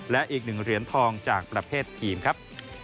และอีก๑เหรียญทองจากประเภททีมครับ